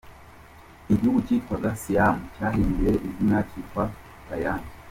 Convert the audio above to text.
Igihugu kitwaga Siam cyahinduye izina cyitwa Thailand.